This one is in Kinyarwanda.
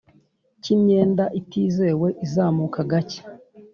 cy imyenda itizewe izamuka gake